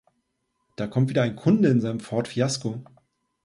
Da kommt wieder ein Kunde in seinem Ford Fiasko.